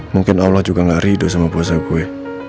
mungkin allah juga gak rido sama puasa gue